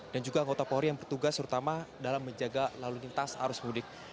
dan juga anggota polri yang bertugas terutama dalam menjaga lalu lintas arus mudik